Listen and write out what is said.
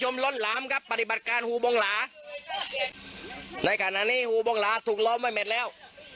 เห้ยเย้ยเย้เย้ยเย้ว